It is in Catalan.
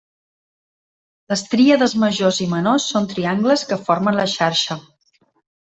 Les tríades Majors i menors són triangles que formen la xarxa.